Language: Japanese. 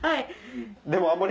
でもあんまり。